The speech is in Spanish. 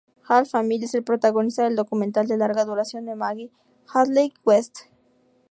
Half a Mill es el protagonista del documental de larga duración de Maggie Hadleigh-West.